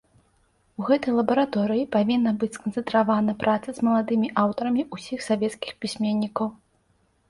У гэтай лабараторыі павінна быць сканцэнтравана праца з маладымі аўтарамі ўсіх савецкіх пісьменнікаў.